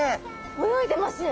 泳いでます。